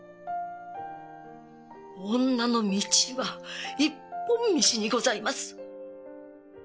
女の道は一本道にございます。